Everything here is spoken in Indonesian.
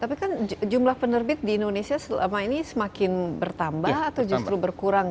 tapi kan jumlah penerbit di indonesia selama ini semakin bertambah atau justru berkurang